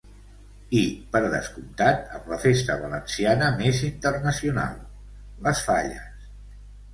I, per descomptat, amb la festa valenciana més internacional, les Falles.